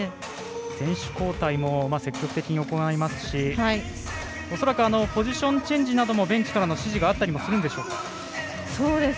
選手交代も積極的に行いますし恐らくポジションチェンジなどもベンチからの指示があったりするんでしょうか。